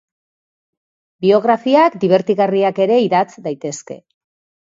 Biografiak dibertigarriak ere idatz daitezke.